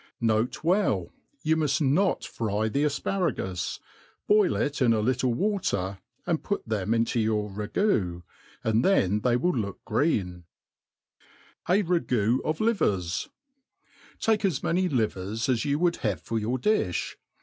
N. B. Yoii muft not fry the afparagus : boil it in a little water, and put them in your ragoo, and then they will look green, ' A Rqgw of Livers^ TAKE as many livers as you would have for your diflt.